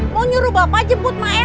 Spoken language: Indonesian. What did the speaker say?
mau nyuruh bapak jemput mak